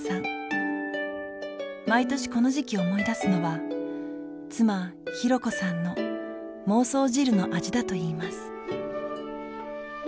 毎年この時期思い出すのは妻博子さんの孟宗汁の味だといいます。